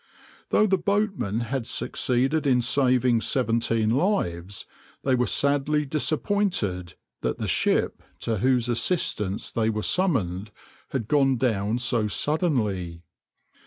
Though the boatmen had succeeded in saving seventeen lives, they were sadly disappointed that the ship to whose assistance they were summoned, had gone down so suddenly.